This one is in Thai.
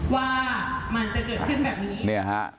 ว่ามันจะเกิดขึ้นแบบนี้